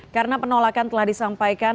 karena penolakan telah disampaikan